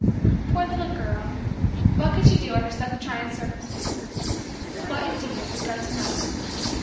Poor little girl! What could she do under such trying circumstances what indeed but go to mother.